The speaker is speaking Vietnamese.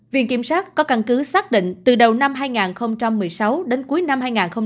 viện kiểm sát có căn cứ xác định từ đầu năm hai nghìn một mươi sáu đến cuối năm hai nghìn hai mươi